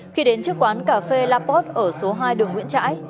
khi đến trước quán cà phê la pot ở số hai đường nguyễn trãi